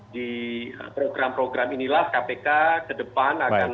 di program program inilah kpk kedepan akan